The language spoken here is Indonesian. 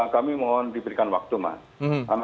kami mohon diberikan waktu mas